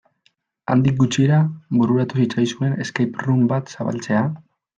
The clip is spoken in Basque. Handik gutxira bururatu zitzaizuen escape room bat zabaltzea?